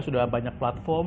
sudah banyak platform